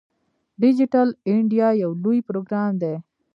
ډیجیټل انډیا یو لوی پروګرام دی.